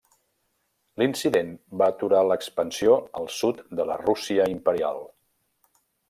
L'incident va aturar l'expansió al sud de la Rússia imperial.